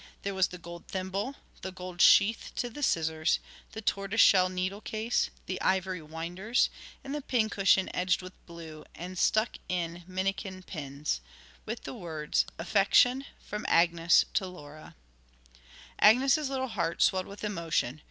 There was the gold thimble, the gold sheath to the scissors, the tortoiseshell needle case, the ivory winders, and the pincushion edged with blue, and stuck in minikin pins, with the words, 'Affection from Agnes to Laura,' Agnes's little heart swelled with emotion.